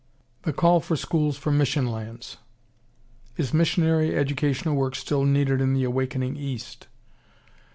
The call for schools from Mission Lands Is missionary educational work still needed in the awakening East?